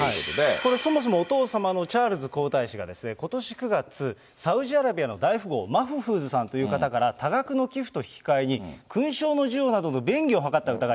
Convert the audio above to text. これ、そもそもお父様のチャールズ皇太子が、ことし９月、サウジアラビアの大富豪、マフフーズさんという方から、多額の寄付と引き換えに、勲章の授与などの便宜を図った疑い。